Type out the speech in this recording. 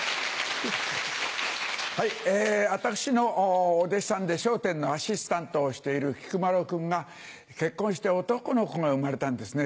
私のお弟子さんで『笑点』のアシスタントをしているきく麿君が結婚して男の子が生まれたんですね。